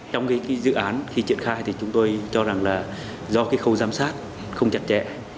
trong dự án khi triển khai thì chúng tôi cho rằng là do khâu giám sát không chặt chẽ